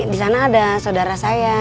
di sana ada saudara saya